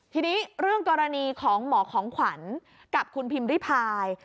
ทีนี้เรื่องกรณีของหมอของขวัญกับคุณพิมพ์ริพาย